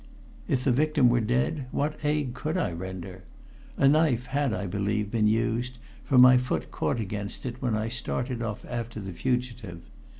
If the victim were dead, what aid could I render? A knife had, I believed, been used, for my foot caught against it when I had started off after the fugitive.